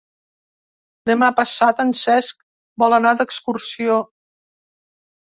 Demà passat en Cesc vol anar d'excursió.